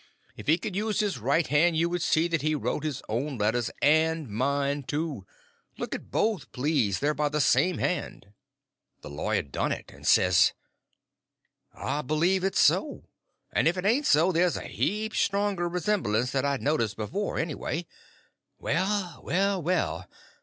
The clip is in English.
"If he could use his right hand, you would see that he wrote his own letters and mine too. Look at both, please—they're by the same hand." The lawyer done it, and says: "I believe it's so—and if it ain't so, there's a heap stronger resemblance than I'd noticed before, anyway. Well, well, well!